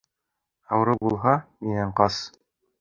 Ауырыу булһа, минән ҡас!